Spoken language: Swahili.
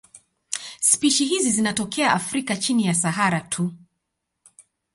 Spishi hizi zinatokea Afrika chini ya Sahara tu.